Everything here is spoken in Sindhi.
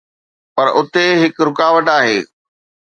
پر اتي هڪ رڪاوٽ آهي.